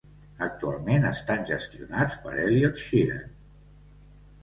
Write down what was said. Actualment estan gestionats per Elliott Sheeran.